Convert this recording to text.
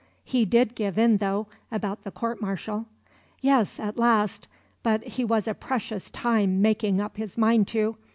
"He did give in, though, about the court martial." "Yes, at last; but he was a precious time making up his mind to.